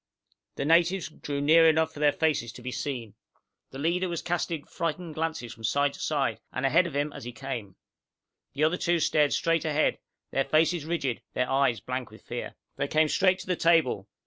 The natives drew near enough for their faces to be seen. The leader was casting frightened glances from side to side and ahead of him as he came. The other two stared straight ahead, their faces rigid, their eyes blank with fear. They came straight to the table.